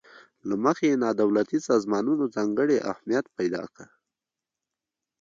له مخې یې نا دولتي سازمانونو ځانګړی اهمیت پیداکړی.